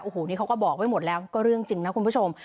โอ้โหนี่เขาก็บอกไว้หมดแล้วก็เรื่องจริงนะคุณผู้ชม